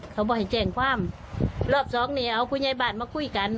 เขาบอกให้แจ้งความรอบสองนี่เอาคุณยายบ้านมาคุยกัน